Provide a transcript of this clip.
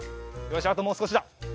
よしあともうすこしだ。